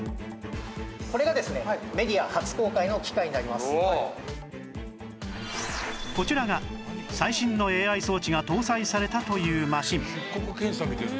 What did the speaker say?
これがですねこちらが最新の ＡＩ 装置が搭載されたというマシン